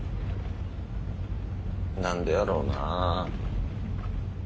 何でやろうな。